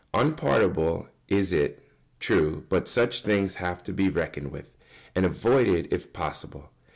] Unpardonable, it is true, but such things have to be reckoned with, and avoided, if possible.